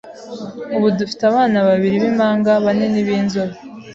Ubu dufite abana babiri b’impanga banini b’inzobe